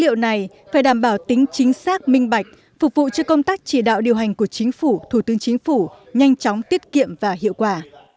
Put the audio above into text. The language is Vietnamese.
dữ liệu này phải đảm bảo tính chính xác minh bạch phục vụ cho công tác chỉ đạo điều hành của chính phủ thủ tướng chính phủ nhanh chóng tiết kiệm và hiệu quả